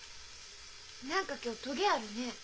何か今日トゲあるね。